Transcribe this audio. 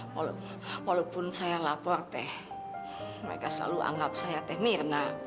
walaupun saya lapor mereka selalu anggap saya mirna